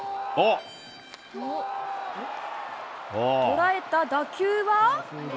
捉えた打球は？